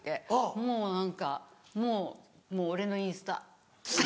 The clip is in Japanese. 「もう何かもう俺のインスタ」。